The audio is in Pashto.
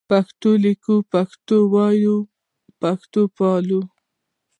پښتو لیکو پښتو وایو پښتو پالو